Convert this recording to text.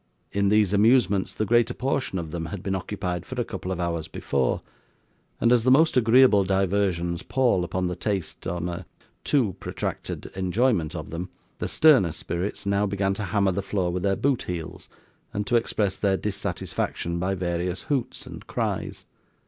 In these amusements the greater portion of them had been occupied for a couple of hours before, and as the most agreeable diversions pall upon the taste on a too protracted enjoyment of them, the sterner spirits now began to hammer the floor with their boot heels, and to express their dissatisfaction by various hoots and cries.